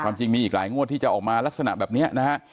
จริงมีอีกหลายงวดที่จะออกมาลักษณะแบบนี้นะฮะ